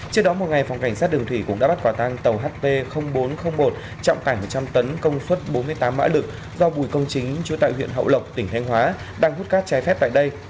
trước đó một ngày phòng cảnh sát đường thủy cũng đã bắt quả tăng tàu hp bốn trăm linh một trọng tải một trăm linh tấn công suất bốn mươi tám mã lực do bùi công chính chú tại huyện hậu lộc tỉnh thanh hóa đang hút cát trái phép tại đây